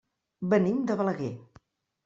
Venim de Balaguer.